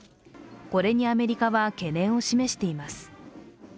これにアメリカは懸念を示しています。